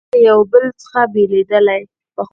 برخې له یو بل څخه بېلېدلې.